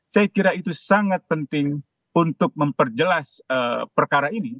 saya kira itu sangat penting untuk memperjelas perkara ini